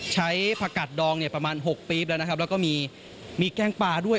ใช้ผักกัดดองเนี่ยประมาณ๖ปี๊บแล้วนะครับแล้วก็มีมีแกงปลาด้วย